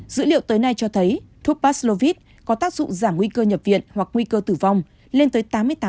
dữ liệu tới nay cho thấy thuốc paslovit có tác dụng giảm nguy cơ nhập viện hoặc nguy cơ tử vong lên tới tám mươi tám